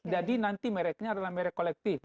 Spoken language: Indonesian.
jadi nanti mereknya adalah merek kolektif